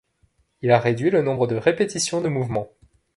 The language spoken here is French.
Il a réduit le nombre de répétitions de mouvements.